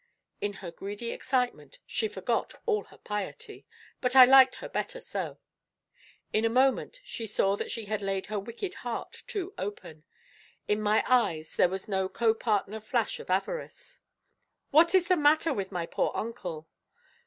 In her greedy excitement, she forgot all her piety; but I liked her better so. In a moment she saw that she had laid her wicked heart too open. In my eyes there was no co partner flash of avarice. "What is the matter with my poor uncle?"